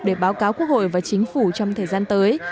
để báo cáo quốc hội và chính phủ trong thời gian tới